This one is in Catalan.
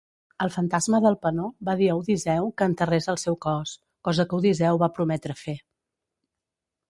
El fantasma d'Elpenor va dir a Odiseu que enterrés el seu cos, cosa que Odiseu va prometre fer.